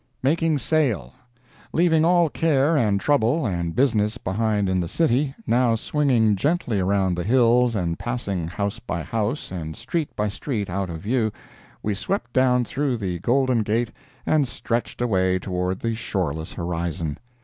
"MAKING SAIL" Leaving all care and trouble and business behind in the city, now swinging gently around the hills and passing house by house and street by street out of view, we swept down through the Golden Gate and stretched away toward the shoreless horizon.